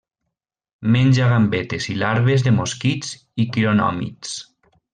Menja gambetes i larves de mosquits i quironòmids.